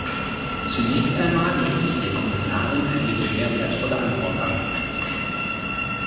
Zunächst einmal möchte ich der Kommissarin für ihre sehr wertvolle Antwort danken.